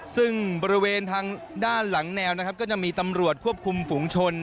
ซึ่งบริเวณทางด้านหลังแนวนะครับก็จะมีตำรวจควบคุมฝุงชน